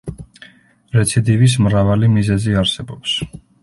რეციდივის მრავალი მიზეზი არსებობს.